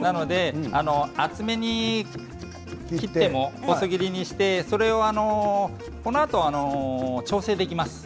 なので厚めに切って細切りにしてもこのあと調整できます。